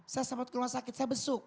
saya sempat ke rumah sakit saya besuk